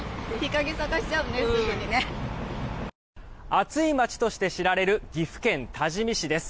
暑い町として知られる岐阜県多治見市です。